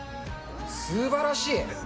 すばらしい。